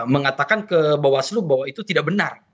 mengatakan ke bawaslu bahwa itu tidak benar